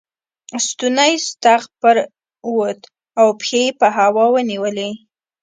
ستونی ستغ پر ووت او پښې یې په هوا ونیولې.